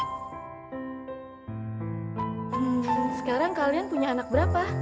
hmm sekarang kalian punya anak berapa